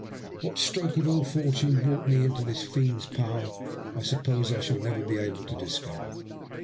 What stroke of ill fortune brought me into this fiend's power I suppose I shall never be able to discover.